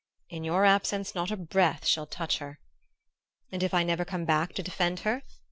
"In your absence not a breath shall touch her!" "And if I never come back to defend her?